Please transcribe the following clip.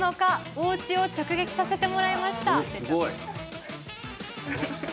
おうちを直撃させてもらいました。